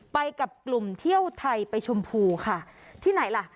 ไปกับกลุ่มเที่ยวไทยไปชมพูค่ะที่ไหนล่ะ